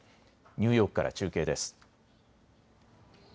ニューヨークから中継です。